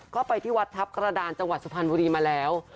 ก็ไปที่วัดทัพกระดานจังหวัดสุพรรณบุรีมาแล้ว